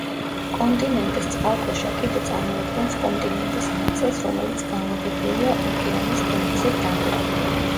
კონტინენტის წყალქვეშა კიდე წარმოადგენს კონტინენტის ნაწილს, რომელიც განლაგებულია ოკეანის დონეზე დაბლა.